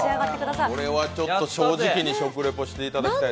これは正直に食レポしていただきたいですね。